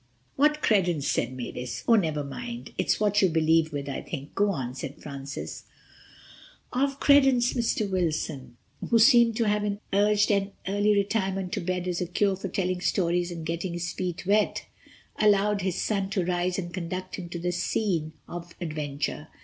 '" ("What's credence?" said Mavis. "Oh, never mind. It's what you believe with, I think. Go on," said Francis.) "'—of credence. Mr. Wilson, who seems to have urged an early retirement to bed as a cure for telling stories and getting his feet wet, allowed his son to rise and conduct him to the scene of adventure.